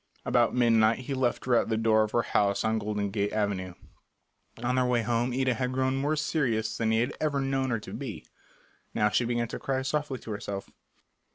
About midnight he left her at the door of her house on Golden Gate Avenue. On their way home Ida had grown more serious than he had ever known her to be. Now she began to cry softly to herself.